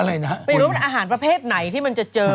ไม่รู้มันอาหารประเภทไหนที่มันจะเจอ